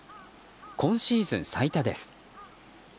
今シーズン最多です。